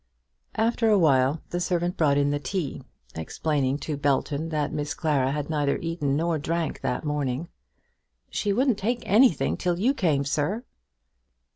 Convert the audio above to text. After a while the servant brought in the tea, explaining to Belton that Miss Clara had neither eaten nor drank that morning. "She wouldn't take anything till you came, sir."